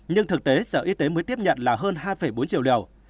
nhưng thực tế sở y tế mới tiếp nhận là hơn hai bốn triệu liều